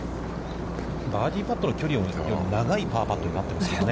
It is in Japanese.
バーディーパットの距離よりも長いパーパットになっていますよね。